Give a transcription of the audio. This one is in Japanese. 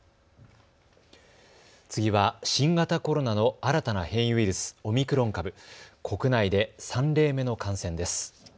次は新型コロナの新たな変異ウイルス、オミクロン株、国内で３例目の感染です。